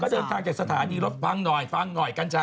เดินทางจากสถานีรถฟังหน่อยฟังหน่อยกัญชา